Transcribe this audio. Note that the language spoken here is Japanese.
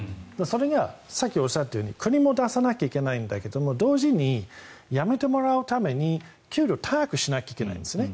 それがさっきおっしゃったように国も出さなきゃいけないんだけど同時に、辞めてもらうために給料を高くしなければいけないんですね。